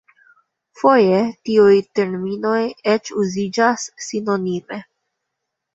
Foje tiuj terminoj eĉ uziĝas sinonime.